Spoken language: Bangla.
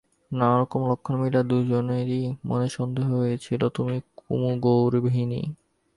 নানারকম লক্ষণ মিলিয়ে দুজনেরই মনে সন্দেহ হয়েছে কুমু গর্ভিণী।